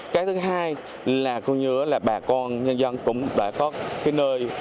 cái thứ hai là cũng như là bà con nhân dân cũng đã có cái nơi